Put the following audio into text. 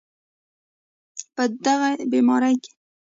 په دغې بیمارۍ کې